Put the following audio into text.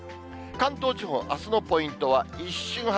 関東地方、あすのポイントは、一瞬春。